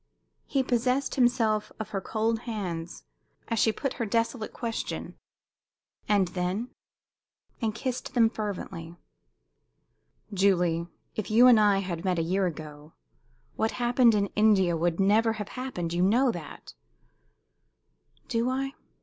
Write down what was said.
He possessed himself of her cold hands as she put her desolate question "And then?" and kissed them fervently. "Julie, if you and I had met a year ago, what happened in India would never have happened. You know that!" "Do I?